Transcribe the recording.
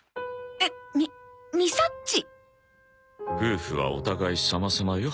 夫婦はお互いさまさまよ。